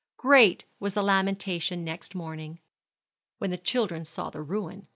Great was the lamentation next morning, when the children saw the ruin.